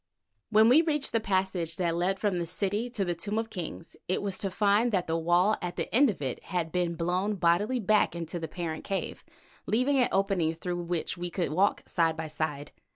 When we reached the passage that led from the city to the Tomb of Kings, it was to find that the wall at the end of it had been blown bodily back into the parent cave, leaving an opening through which we could walk side by side.